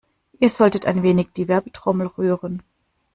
Ihr solltet ein wenig die Werbetrommel rühren.